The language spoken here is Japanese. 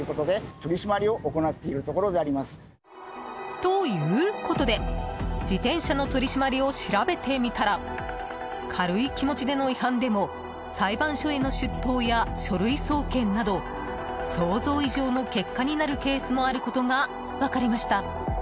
ということで、自転車の取り締まりを調べてみたら軽い気持ちでの違反でも裁判所への出頭や書類送検など想像以上の結果になるケースもあることが分かりました。